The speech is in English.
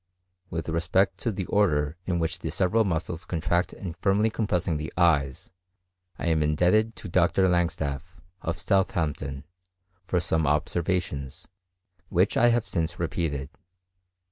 With respect to the order in which the several muscles contract in firmly compressing the eyes, I am indebted to Dr. Langstaff, of Southampton, for some observations, which I have since repeated.